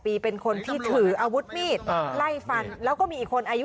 ปีเป็นคนที่ถืออาวุธมีดไล่ฟันแล้วก็มีอีกคนอายุ